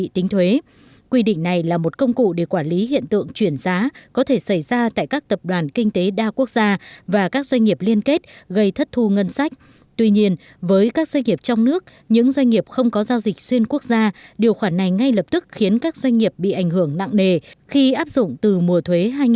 tuy nhiên với các doanh nghiệp trong nước những doanh nghiệp không có giao dịch xuyên quốc gia điều khoản này ngay lập tức khiến các doanh nghiệp bị ảnh hưởng nặng nề khi áp dụng từ mùa thuế hai nghìn một mươi tám